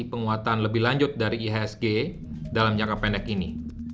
penguatan lebih lanjut dari ihsg dalam jangka pendek ini